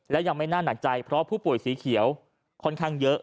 และยังไม่น่าหนักใจเพราะผู้ป่วยสีเขียวค่อนข้างเยอะ